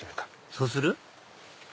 そうする？